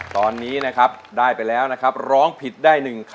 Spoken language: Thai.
ตอนนี้นะครับได้ไปแล้วนะครับร้องผิดได้๑คำ